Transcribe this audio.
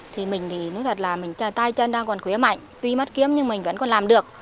thì mình thì nói thật là mình tay chân đang còn khuya mạnh tuy mất kiếm nhưng mình vẫn còn làm được